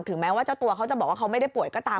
แม้ว่าเจ้าตัวเขาจะบอกว่าเขาไม่ได้ป่วยก็ตาม